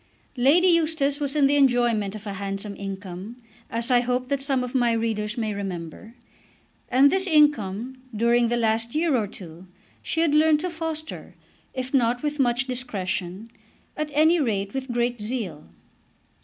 Lady Eustace was in the enjoyment of a handsome income, as I hope that some of my readers may remember, and this income, during the last year or two, she had learned to foster, if not with much discretion, at any rate with great zeal.